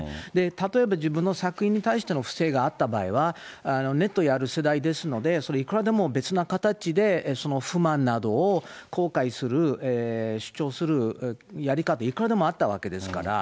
例えば、自分の作品に対しての不正があった場合は、ネットがある世代ですので、それ、いくらでも別な形で、不満などを公開する、主張するやり方、いくらでもあったわけですから。